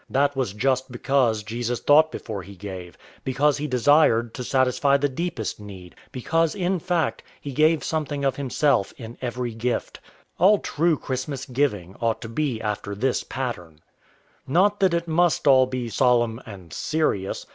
That was just because Jesus thought before he gave; because he desired to satisfy the deepest need; because in fact he gave something of himself in every gift. All true Christmas giving ought to be after this pattern. Not that it must all be solemn and serious.